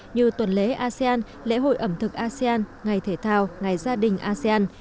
như tuần lễ asean lễ hội ẩm thực asean ngày thể thao ngày gia đình asean